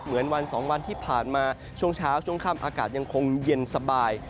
เหมือนวัน๒วันที่ผ่านมาช่วงเช้าช่วงค่ำอากาศยังคงเย็นสบาย